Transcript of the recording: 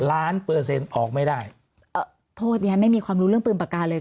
เปอร์เซ็นต์ออกไม่ได้โทษดิฉันไม่มีความรู้เรื่องปืนปากกาเลย